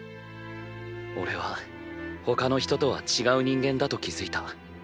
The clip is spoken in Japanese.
俺は他の人とは違う人間だと気付いた。